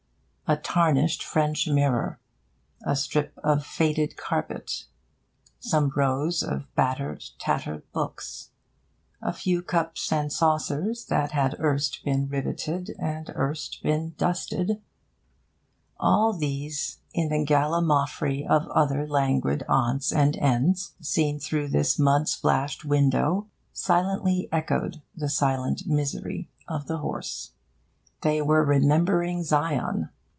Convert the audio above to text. A tarnished French mirror, a strip of faded carpet, some rows of battered, tattered books, a few cups and saucers that had erst been riveted and erst been dusted all these, in a gallimaufry of other languid odds and ends, seen through this mud splashed window, silently echoed the silent misery of the horse. They were remembering Zion.